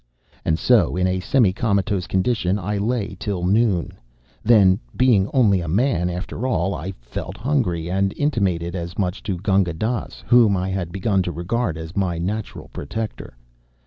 And so, in a semi comatose condition, I lay till noon. Then, being only a man after all, I felt hungry, and intimated as much to Gunga Dass, whom I had begun to regard as my natural protector.